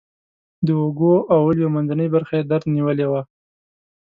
د اوږو او ولیو منځنۍ برخه یې درد نیولې وه.